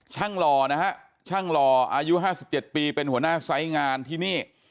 ช่างหล่อนะฮะช่างหล่ออายุห้าสิบเจ็ดปีเป็นหัวหน้าไซด์งานที่นี่